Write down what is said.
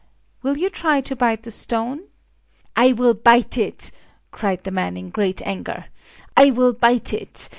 Will you try to bite the stone?" "I will bite it!" cried the man, in great anger,—"I will bite it!